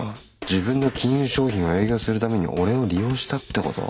自分の金融商品を営業するために俺を利用したってこと？